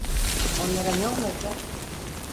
Onlara ne olacak?